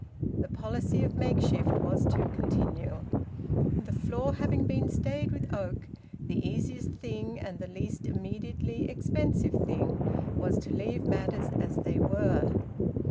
The policy of makeshift was to continue. The floor having been stayed with oak, the easiest thing and the least immediately expensive thing was to leave matters as they were.